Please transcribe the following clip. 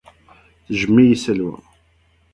Tejjem-iyi Salwa.